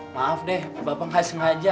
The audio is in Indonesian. maaf deh bapak nggak sengaja